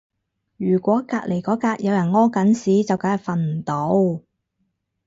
如果隔離嗰格有人屙緊屎就梗係瞓唔到